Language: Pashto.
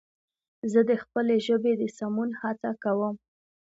زه د خپلې ژبې د سمون هڅه کوم